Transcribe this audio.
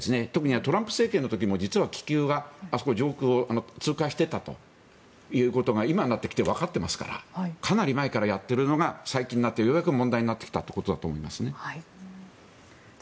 トランプ政権の時も上空を気球が通過していたということが今になってわかってきていますからかなり前からやっているのが最近になってようやく問題になってきたと思います。